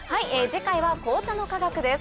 次回は紅茶の科学です。